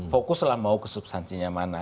fokuslah mau ke substansinya mana